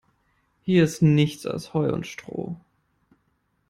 Hier ist nichts als Heu und Stroh.